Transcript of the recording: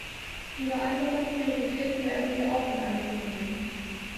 Ihre anderen Prioritäten werden wir auch in Angriff nehmen.